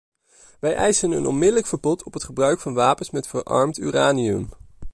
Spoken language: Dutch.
Wij eisen een onmiddellijk verbod op het gebruik van wapens met verarmd uranium!